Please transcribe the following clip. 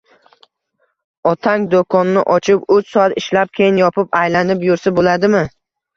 — Otang do'konni ochib, uch soat ishlab keyin yopib, aylanib yursa, bo'ladimi?